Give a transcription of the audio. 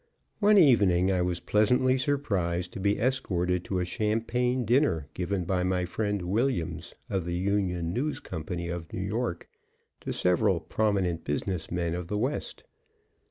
One evening I was pleasantly surprised to be escorted to a champagne dinner given by my friend Williams, of the Union News Company of New York, to several prominent business men of the West.